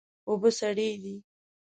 اوبه سړې دي